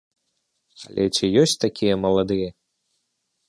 Але ці ёсць такія маладыя?